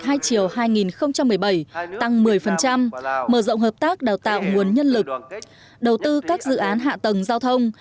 hai chiều hai nghìn một mươi bảy tăng một mươi mở rộng hợp tác đào tạo nguồn nhân lực đầu tư các dự án hạ tầng giao thông